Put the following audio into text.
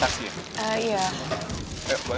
sesuai dengan kendaraan yang diannya berapa berat